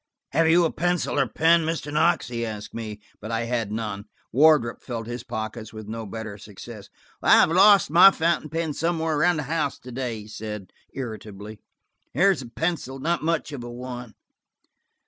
"Have you a pencil or pen, Mr. Knox ?" he asked me, but I had none. Wardrop felt his pockets, with no better success. "I have lost my fountain pen somewhere around the house to day," he said irritably. "Here's a pencil–not much of one."